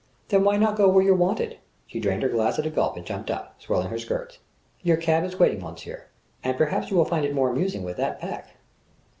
"Then why not go where you're wanted?" She drained her glass at a gulp and jumped up, swirling her skirts. "Your cab is waiting, monsieur and perhaps you will find it more amusing with that Pack!"